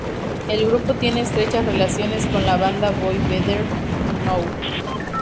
El grupo tiene estrechas relaciones con la banda Boy Better Know.